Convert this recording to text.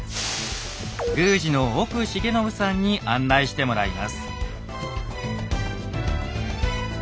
宮司の奥茂宣さんに案内してもらいます。